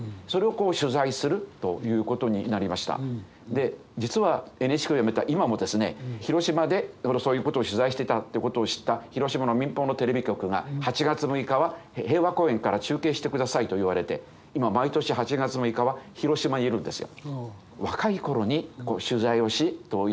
で実はＮＨＫをやめた今もですね広島でそういうことを取材してたっていうことを知った広島の民放のテレビ局が８月６日は平和公園から中継して下さいと言われて今毎年８月６日は広島にいるんですよ。